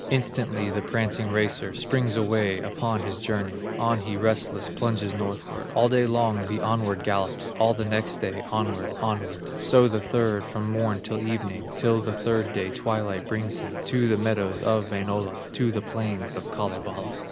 Instantly the prancing racer Springs away upon his journey; On he, restless, plunges northward, All day long he onward gallops, All the next day, onward, onward, So the third from morn till evening, Till the third day twilight brings him To the meadows of Wainola, To the plains of Kalevala.